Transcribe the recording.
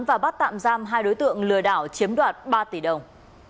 và bắt tạm giam hai đối tượng lừa đảo chiếm đoạt ba tỷ đồng